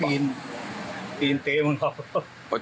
เตี๋นเตี๋นเต๊ะบังใช่ใช่